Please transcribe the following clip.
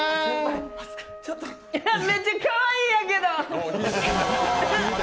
いや、めっちゃかわいいんやけど！